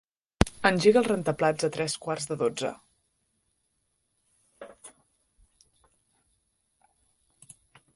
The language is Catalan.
Engega el rentaplats a tres quarts de dotze.